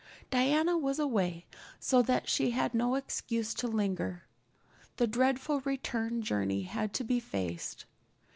Diana was away so that she had no excuse to linger. The dreadful return journey had to be faced.